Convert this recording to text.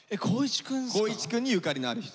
光一くんにゆかりのある人。